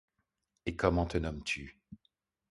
Et comment te nommes-tu ?